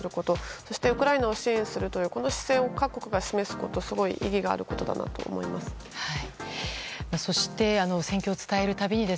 そしてウクライナを支援するというこの姿勢を各国が示すのは意義があることだなと思います。